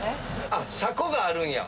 あっ車庫があるんや。